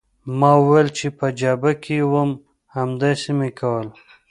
ما وویل چې په جبهه کې وم همداسې مې کول.